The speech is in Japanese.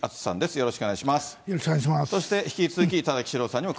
よろしくお願いします。